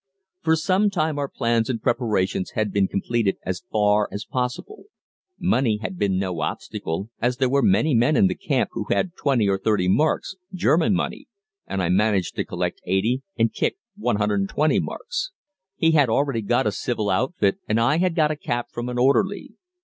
For some time our plans and preparations had been completed as far as possible; money had been no obstacle, as there were many men in the camp who had 20 or 30 marks, German money, and I managed to collect 80 and Kicq 120 marks. He had already got a civil outfit, and I had got a cap from an orderly.